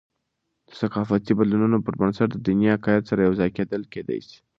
د ثقافتي بدلونونو پربنسټ، د دیني عقاید سره یوځای کیدل کېدي سي.